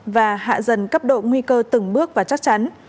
và hạ dần cấp độ nguy cơ từng bước và chắc chắn